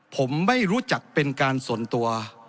ผมไม่รู้จักเป็นการส่วนตัว